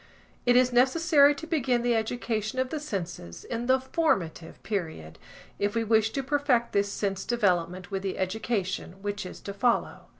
It is necessary to begin the education of the senses in the formative period, if we wish to perfect this sense development with the education which is to follow.